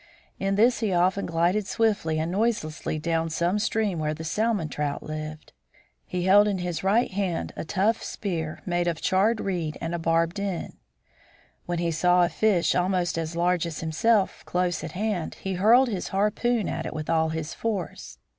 In this he often glided swiftly and noiselessly down some stream where the salmon trout lived. He held in his right hand a tough spear, made of a charred reed with a barbed end. When he saw a fish almost as large as himself close at hand he hurled his harpoon at it with all his force.